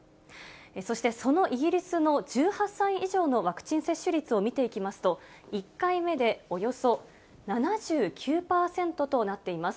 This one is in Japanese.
そしてそのイギリスの１８歳以上のワクチン接種率を見ていきますと、１回目でおよそ７９％となっています。